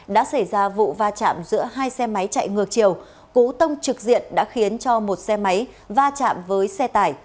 đã xảy ra vụ va chạm giữa hai xe máy chạy ngược chiều cú tông trực diện đã khiến cho một xe máy va chạm với xe tải